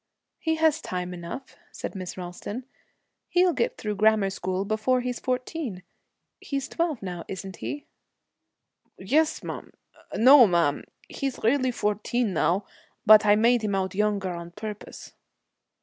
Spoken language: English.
'He has time enough,' said Miss Ralston. 'He'll get through grammar school before he's fourteen. He's twelve now, isn't he?' 'Yes, ma'am no, ma'am! He's really fourteen now, but I made him out younger on purpose.'